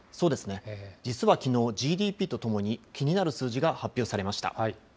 実はきのう、ＧＤＰとともに、気になる数字が発表されました。